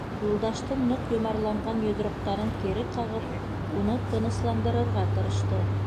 Юлдаштың ныҡ йомарланған йоҙроҡтарын кире ҡағып, уны тынысландырырға тырышты.